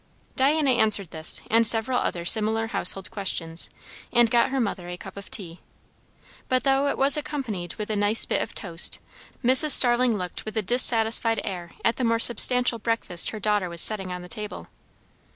Diana answered this and several other similar household questions, and got her mother a cup of tea. But though it was accompanied with a nice bit of toast, Mrs. Starling looked with a dissatisfied air at the more substantial breakfast her daughter was setting on the table.